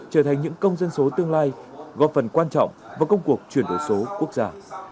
trở thành những công dân số tương lai góp phần quan trọng vào công cuộc chuyển đổi số quốc gia